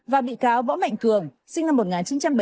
và bị cáo võ mạnh cường sinh năm một nghìn chín trăm bảy mươi